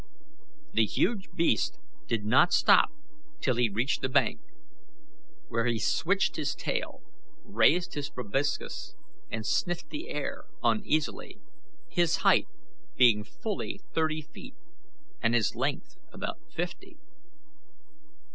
The huge beast did not stop till he reached the bank, where lie switched his tail, raised his proboscis, and sniffed the air uneasily, his height being fully thirty feet and his length about fifty.